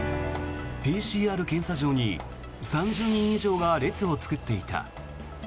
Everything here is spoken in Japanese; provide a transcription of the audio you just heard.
ＰＣＲ検査場に３０人以上が列を作っていた。